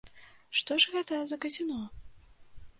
Што ж гэта за казіно?